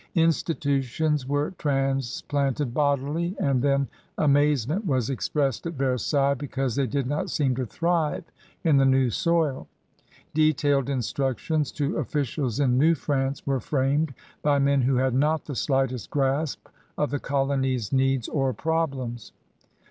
Institutions were transplanted bodily. FRANCE OF THE BOURBONS 11 and then amazement was expressed at Versailles because they did not seem to thrive in the new soil. Detailed instructions to officials in New France were framed by men who had not the slightest grasp of the colony's needs or problems.